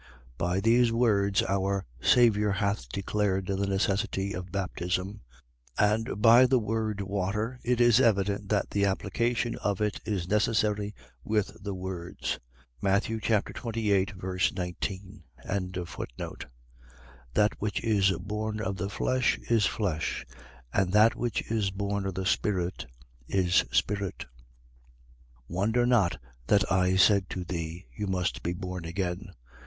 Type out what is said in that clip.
.By these words our Saviour hath declared the necessity of baptism; and by the word water it is evident that the application of it is necessary with the words. Matt. 28. 19. 3:6. That which is born of the flesh is flesh: and that which is born of the Spirit is spirit. 3:7. Wonder not that I said to thee: You must be born again.